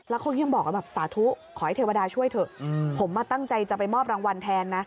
แล้วเขายังบอกว่าแบบสาธุขอให้เทวดาช่วยเถอะผมมาตั้งใจจะไปมอบรางวัลแทนนะ